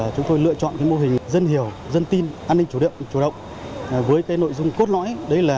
chúng tôi lựa chọn mô hình dân hiểu dân tin an ninh chủ động với nội dung cốt lõi